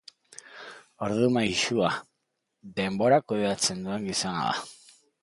Ordu maisua: Denbora kudeatzen duen gizona da.